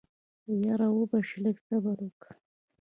يره وبه شي لږ صبر وکه.